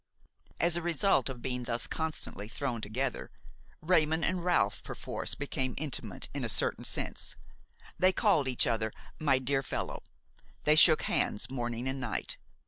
As a result of being thus constantly thrown together, Raymon and Ralph perforce became intimate in a certain sense; they called each other "my dear fellow," they shook hands morning and night.